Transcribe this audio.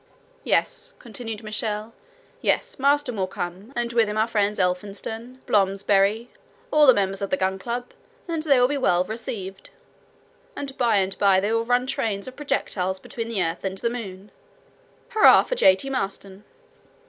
"Yes," continued Michel, "yes, Maston will come, and with him our friends Elphinstone, Blomsberry, all the members of the Gun Club, and they will be well received. And by and by they will run trains of projectiles between the earth and the moon! Hurrah for J. T. Maston!"